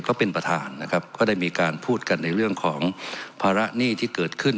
ก็เป็นประธานนะครับก็ได้มีการพูดกันในเรื่องของภาระหนี้ที่เกิดขึ้น